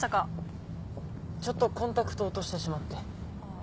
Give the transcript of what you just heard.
・ちょっとコンタクトを落としてしまって。